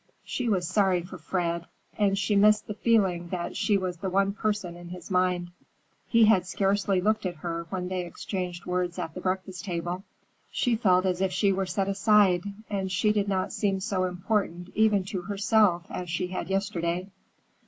She was sorry for Fred, and she missed the feeling that she was the one person in his mind. He had scarcely looked at her when they exchanged words at the breakfast table. She felt as if she were set aside, and she did not seem so important even to herself as she had yesterday.